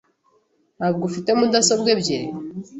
Ntabwo ufite mudasobwa ebyiri?